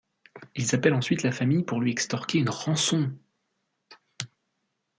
Ils appellent ensuite la famille pour lui extorquer une rançon.